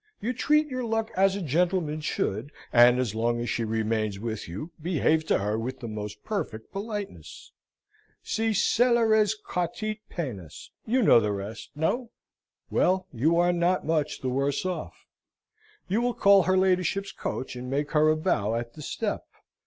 You treat your luck as a gentleman should, and as long as she remains with you, behave to her with the most perfect politeness. Si celeres quatit pennas you know the rest no? Well, you are not much the worse off you will call her ladyship's coach, and make her a bow at the step.